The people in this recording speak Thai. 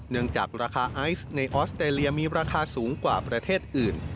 จากราคาไอซ์ในออสเตรเลียมีราคาสูงกว่าประเทศอื่น